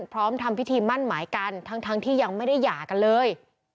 พร้อมทำพิธีมั่นหมายกันทั้งที่ยังไม่ได้หย่ากันเลย